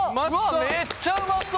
めっちゃうまそう！